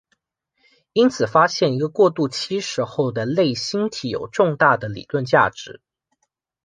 因此发现一个过渡期时候的类星体有重大的理论价值。